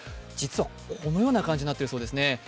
実は、このような感じになっているようですね。